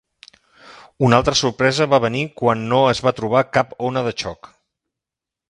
Una altra sorpresa va venir quan no es va trobar cap ona de xoc.